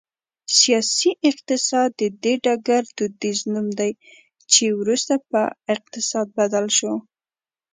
سیاسي اقتصاد د دې ډګر دودیز نوم دی چې وروسته په اقتصاد بدل شو